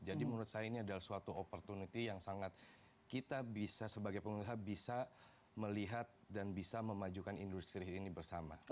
jadi menurut saya ini adalah suatu opportunity yang sangat kita bisa sebagai pengusaha bisa melihat dan bisa memajukan industri ini bersama